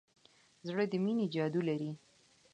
زړه د مینې جادو لري.